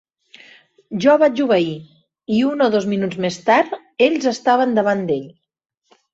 Jo vaig obeir, i un o dos minuts més tard ells estaven davant d'ell.